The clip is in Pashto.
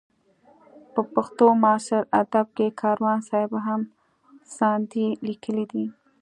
په پښتو معاصر ادب کې کاروان صاحب هم ساندې لیکلې دي.